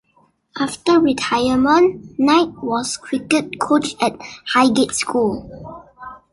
After retirement, Knight was cricket coach at Highgate School.